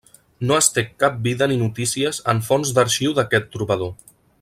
No es té cap vida ni notícies en fonts d'arxiu d'aquest trobador.